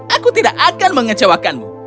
aku tidak akan mengecewakanmu